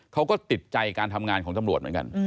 เขาก็ติดใจการทำงานของตำรวจเหมือนกัน